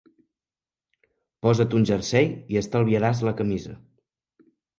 Posa't un jersei i estalviaràs la camisa.